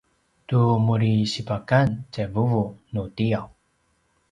tu muri sipakan tjai vuvu nu tiyaw